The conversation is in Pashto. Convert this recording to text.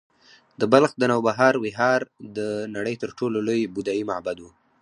د بلخ د نوبهار ویهار د نړۍ تر ټولو لوی بودایي معبد و